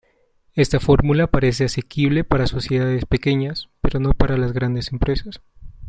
Esta fórmula parece asequible para sociedades pequeñas, pero no para las grandes empresas.